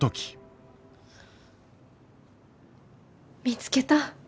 見つけた。